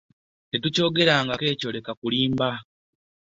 Tetukyogerangako ekyo leka kulimba.